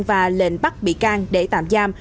và lệnh bắt bị can để tạm giam